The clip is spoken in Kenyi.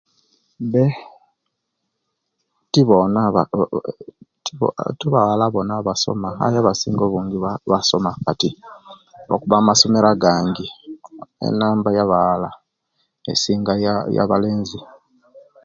Ambe tibona abawala basoma aye abasinga obungi basoma kati lwakuba amasomero agandi enamba eyabawala esinga eyabalenzi